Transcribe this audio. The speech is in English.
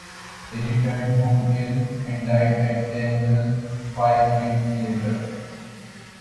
He returned home ill, and died at Danville five weeks later.